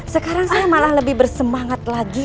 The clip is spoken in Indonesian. sekarang saya malah lebih bersemangat lagi